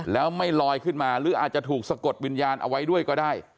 แล้วไม่ลอยขึ้นมาหรืออาจจะถูกสะกดวิญญาณเอาไว้ด้วยก็ได้